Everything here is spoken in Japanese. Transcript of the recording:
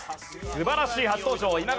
素晴らしい初登場。